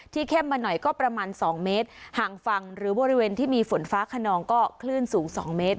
เข้มมาหน่อยก็ประมาณสองเมตรห่างฝั่งหรือบริเวณที่มีฝนฟ้าขนองก็คลื่นสูง๒เมตร